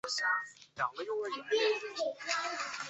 吕不韦在封地内铸行了文信圜钱。